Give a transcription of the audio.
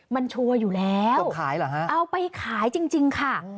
มันชัวร์อยู่แล้วเอาไปขายจริงค่ะ